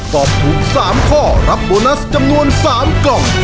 ตอบถูก๓ข้อรับโบนัสจำนวน๓กล่อง